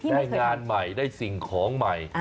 ได้งานใหม่ได้สิ่งของใหม่